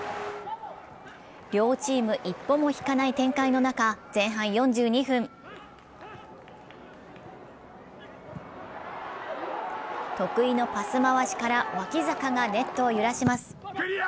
両チーム一歩も引かない展開の中、前半４２分得意のパス回しから脇坂がネットを揺らします。